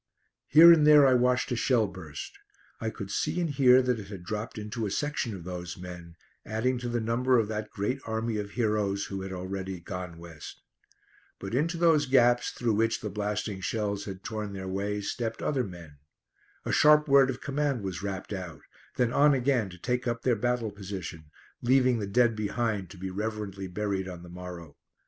Here and there I watched a shell burst. I could see and hear that it had dropped into a section of those men, adding to the number of that great army of heroes who had already "gone West." But into those gaps, through which the blasting shells had torn their way, stepped other men. A sharp word of command was rapped out, then on again to take up their battle position, leaving the dead behind to be reverently buried on the morrow.